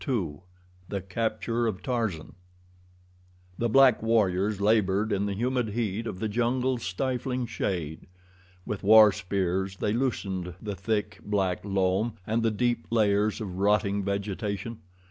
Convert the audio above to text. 2 The Capture of Tarzan THE BLACK WARRIORS labored in the humid heat of the jungle's stifling shade. With war spears they loosened the thick, black loam and the deep layers of rotting vegetation.